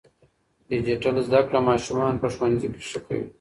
ډیجیټل زده کړه ماشومان په ښوونځي کې ښه کوي.